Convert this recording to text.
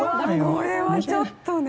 これはちょっとね。